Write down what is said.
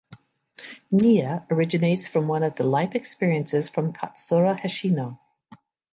Nea originates from one of the life experiences from Katsura Hoshino.